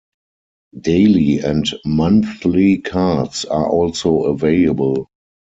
Daily and monthly cards are also available.